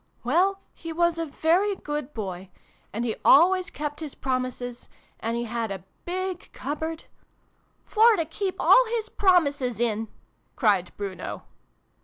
" Well, he was a very good Boy, and he always kept his pro mises, and he had a big cupboard for to keep all his promises in !" cried Bruno.